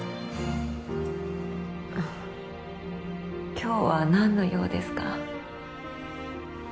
今日は何の用ですか？